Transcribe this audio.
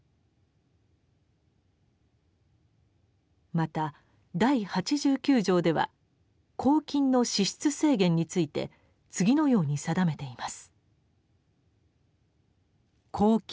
また第八十九条では「公金の支出制限」について次のように定めています。